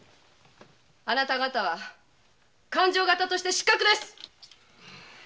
あなた方は勘定方として失格です。